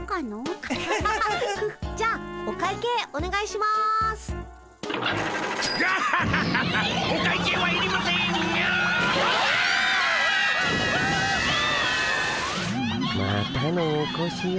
またのおこしを。